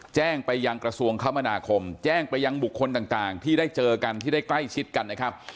แจ้งไปยังกระทรวงคมนาคมแจ้งไปยังบุคคลต่างที่ได้เจอกันที่ได้ใกล้ชิดกันนะครับ